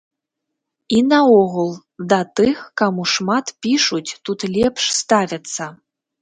І наогул, да тых, каму шмат пішуць, тут лепш ставяцца.